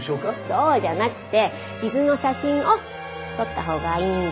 そうじゃなくて傷の写真を撮ったほうがいいんじゃない？